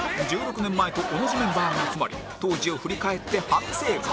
１６年前と同じメンバーが集まり当時を振り返って反省会